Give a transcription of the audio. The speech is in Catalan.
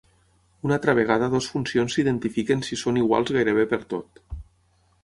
Una altra vegada dues funcions s'identifiquen si són iguals gairebé pertot.